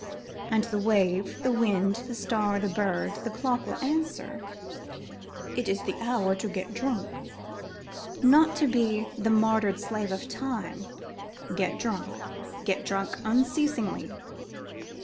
and the wind, the wave, the star, the bird, the clock will answer, "It is the hour to get drunk!" Not to be the martyred slave of Time, get drunk; get drunk unceasingly.